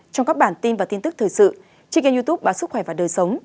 trong các bản tin và tin tức thời sự trên kênh youtube báo sức khỏe và đời sống